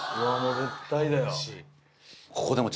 絶対だよ。